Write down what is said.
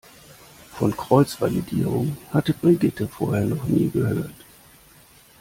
Von Kreuzvalidierung hatte Brigitte vorher noch nie gehört.